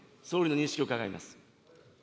総理の認識を伺います。